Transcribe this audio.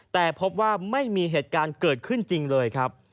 แต่พบว่าไม่มีเหตุการณ์เกิดขึ้นจริงเลยครับ